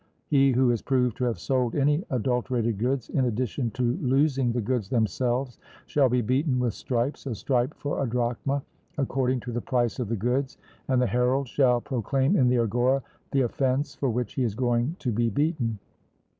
He who is proved to have sold any adulterated goods, in addition to losing the goods themselves, shall be beaten with stripes a stripe for a drachma, according to the price of the goods; and the herald shall proclaim in the agora the offence for which he is going to be beaten.